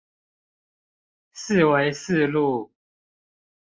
四維四路